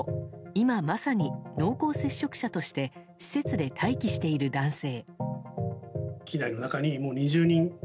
今、まさに濃厚接触者として施設で待機している男性。